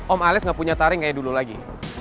om alex gak punya taring kayak dulu lagi